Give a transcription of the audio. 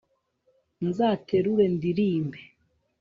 nzaterura ndirimbe